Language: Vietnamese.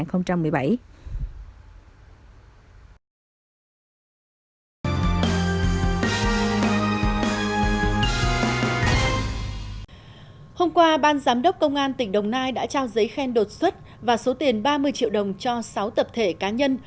hôm qua ban giám đốc công an tỉnh đồng nai đã trao giấy khen đột xuất và số tiền ba mươi triệu đồng cho sáu tập thể cá nhân